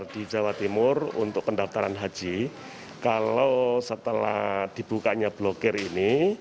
di jawa timur untuk pendaftaran haji kalau setelah dibukanya blokir ini